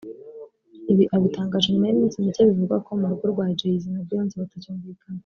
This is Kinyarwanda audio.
Ibi abitangaje nyuma y’iminsi mike bivugwa ko mu rugo rwa Jay z na Beyonce batacyumvikana